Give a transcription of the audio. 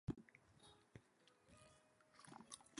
Custine eventually discovered that his knack was for travel writing.